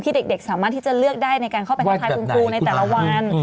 เด็กสามารถที่จะเลือกได้ในการเข้าไปทักทายคุณครูในแต่ละวัน